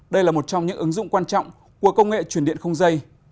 đây là một trong những ứng dụng quan trọng của công nghệ chuyển điện không dây